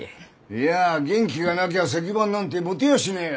いや元気がなきゃ石版なんて持てやしねえよ。